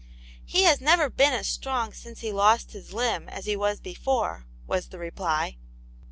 " He has never been as strong since he lost his limb as he was before," was the reply.